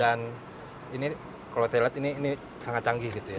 dan ini kalau saya lihat ini sangat canggih gitu ya